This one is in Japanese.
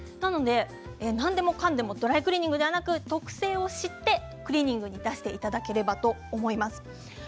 何でもかんでもドライクリーニングではなく特性を知ってクリーニングに出していただければと思います。